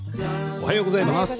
おはようございます。